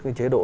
cái chế độ